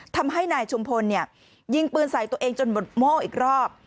ทำให้นายชุมพลยิงปืนใส่ตัวเองจนหมดโม่อีกรอบ